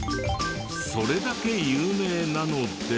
それだけ有名なので。